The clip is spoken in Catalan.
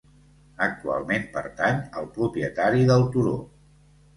Actualment pertany al propietari del turó.